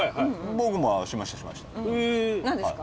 僕もしましたしました何ですか？